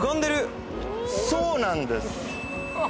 そうなんです。